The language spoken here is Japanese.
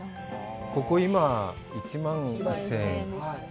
ここ今、１万１０００円。